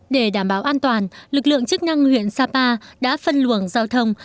để đảm bảo an toàn lực lượng chức năng huyện sapa đã phân luồng giao thông